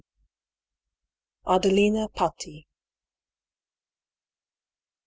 ADELINA PATTI.